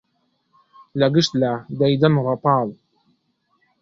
لە گشت لا دەیدەن ڕەپاڵ